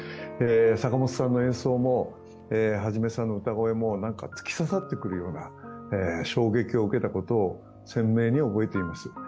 坂本さんの演奏も、元さんの歌声も突き刺さってくるような衝撃を受けたことを鮮明に覚えています。